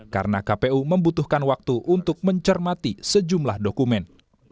karena kpu membutuhkan waktu untuk mencermati sejumlah dokumen